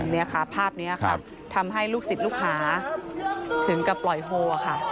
นี่ค่ะภาพนี้ค่ะทำให้ลูกศิษย์ลูกหาถึงกับปล่อยโฮค่ะ